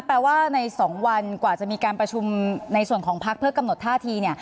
แปลว่าใน๒วันกว่าจะมีการประชุมในส่วนของพักเพื่อกำหนดท่าทีเนี่ย